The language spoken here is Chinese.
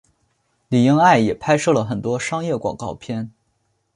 李英爱也拍摄了很多商业广告片。